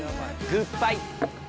「グッバイ」